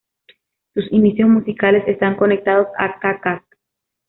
Sus inicios musicales están conectados a Čačak.